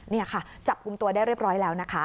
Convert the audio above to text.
นี่ค่ะจับกลุ่มตัวได้เรียบร้อยแล้วนะคะ